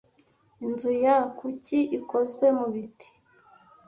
Inzu ya kuki ikozwe mu biti.